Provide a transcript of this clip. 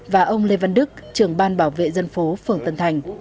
và ông lê văn đức trưởng ban bảo vệ dân phố phường tân thành